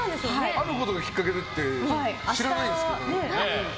あることがきっかけでって知らないんですか。